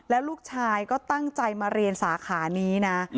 แล้วลูกชายก็ตั้งใจมาเรียนสาขานี้นะ